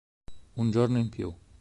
Un giorno in più